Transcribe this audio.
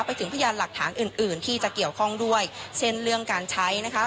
พยานหลักฐานอื่นอื่นที่จะเกี่ยวข้องด้วยเช่นเรื่องการใช้นะคะ